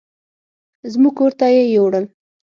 زموږ کور ته يې يوړل.